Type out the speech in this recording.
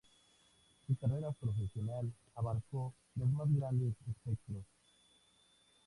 Su carrera profesional abarcó los más amplios espectros.